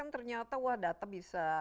ternyata data bisa